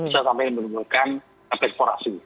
serta sampai menimbulkan perforasi